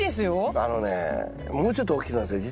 あのねもうちょっと大きくなるんですよ。